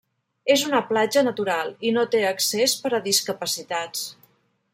És una platja natural i no té accés per a discapacitats.